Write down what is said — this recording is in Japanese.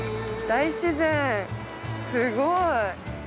大自然、すごーい。